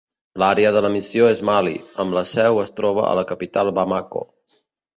L'àrea de la missió és Mali, amb la seu es troba a la capital Bamako.